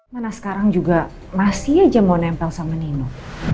mana sekarang juga masih aja mau nempel sama nino